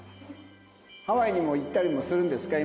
ハワイにも行ったりもするんですか？